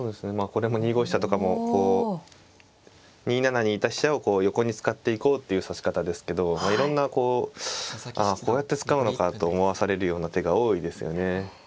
これも２五飛車とかもこう２七にいた飛車を横に使っていこうっていう指し方ですけどいろんなこうこうやって使うのかと思わされるような手が多いですよね。